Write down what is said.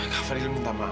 kak fadil minta maaf